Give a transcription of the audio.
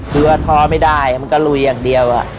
คือว่าท้อไม่ได้มันก็ลุยอย่างเดียว